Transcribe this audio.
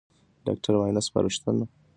ډاکټر معاینه سپارښتنه کولای شي.